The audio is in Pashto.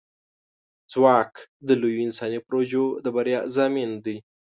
ځواک د لویو انساني پروژو د بریا ضامن دی.